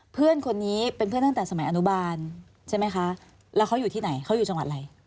เพื่อนคนนี้เป็นเพื่อนตั้งแต่สมัยอนุบาลใช่ไหมคะแล้วเขาอยู่ที่ไหนเขาอยู่จังหวัดอะไร